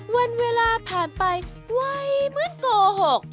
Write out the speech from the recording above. วันเวลาผ่านไปไหวเหมือนโกหก